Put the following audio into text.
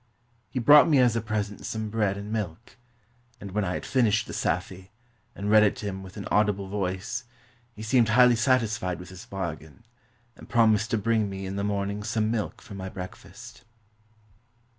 He brought me as a present some bread and milk; and when I had finished the saphie, and read it to him with an audible voice, he seemed highly satisfied with his bargain, and promised to bring me in the morn ing some milk for my breakfast.